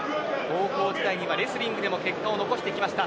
高校時代にはレスリングでも結果を残してきました。